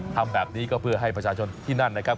ทำแบบนี้ก็เพื่อให้ประชาชนที่นั่นนะครับ